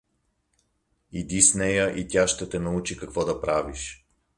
Иди с нея и тя ще те научи какво да правиш.